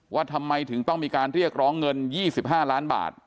ว่าทำไมถึงต้องมีการเรียกร้องเงิน๒๕ล้านบาท